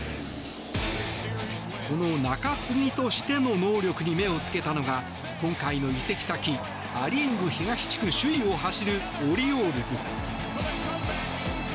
この中継ぎとしての能力に目を付けたのが今回の移籍先ア・リーグ東地区、首位を走るオリオールズ。